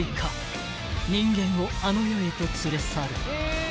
［人間をあの世へと連れ去る］